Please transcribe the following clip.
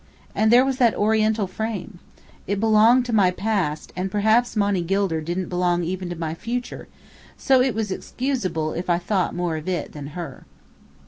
And there was that Oriental frame! It belonged to my past, and perhaps Monny Gilder didn't belong even to my future, so it was excusable if I thought of it more than of her.